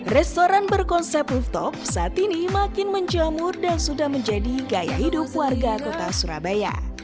restoran berkonsep rooftop saat ini makin menjamur dan sudah menjadi gaya hidup warga kota surabaya